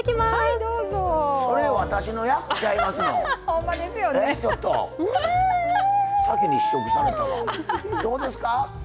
どうですか？